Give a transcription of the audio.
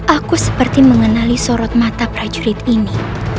aku seperti mengenali sorot mata prajurit ini